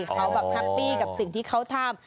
เขาแบบแฮปปี้กับสิ่งที่เขาทำ